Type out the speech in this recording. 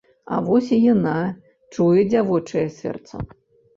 А вось і яна, чуе дзявочае сэрца.